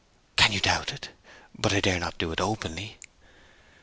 'Can you doubt it? But I dare not do it openly.'